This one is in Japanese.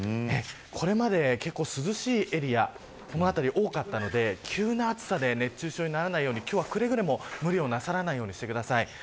これまで結構涼しいエリアこの辺り多かったので急な暑さで熱中症にならないようにくれぐれも今日は無理をなさらないようにしてください。